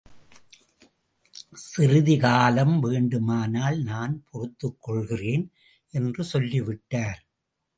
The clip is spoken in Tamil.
சிறிது காலம் வேண்டுமானால் நான் பொறுத்துக் கொள்கிறேன். என்று சொல்லி விட்டார்.